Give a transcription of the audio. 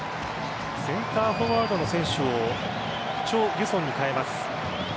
センターフォワードの選手をチョ・ギュソンに代えます。